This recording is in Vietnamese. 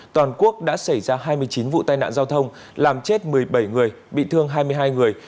toàn quốc đã xảy ra hai mươi chín vụ tai nạn giao thông làm chết một mươi bảy người bị thương hai mươi hai người